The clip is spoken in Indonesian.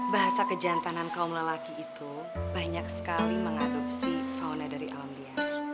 bahasa kejantanan kaum lelaki itu banyak sekali mengadopsi fauna dari alam liar